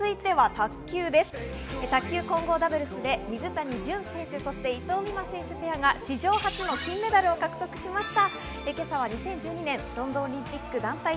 卓球・混合ダブルスで水谷隼選手と伊藤美誠選手ペアが史上初の金メダルを獲得しました。